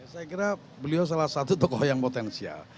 saya kira beliau salah satu tokoh yang potensial